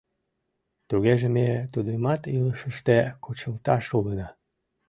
Тугеже ме тудымат илышыште кучылтшаш улына.